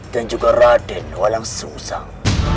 dan juga raden walang sung sang